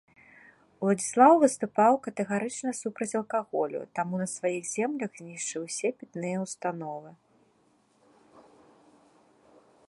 Уладзіслаў выступаў катэгарычна супраць алкаголю, таму на сваіх землях знішчыў усе пітныя ўстановы.